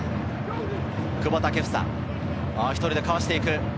久保建英、１人でかわしていく。